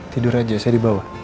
tidur aja saya di bawah